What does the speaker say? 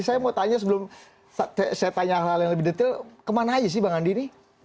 saya mau tanya sebelum saya tanya hal hal yang lebih detail kemana aja sih bang andi ini